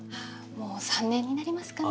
もう３年になりますかね。